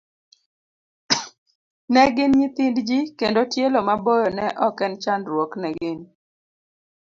Ne gin nyithind ji kendo, tielo maboyo ne ok en chandruok ne gin.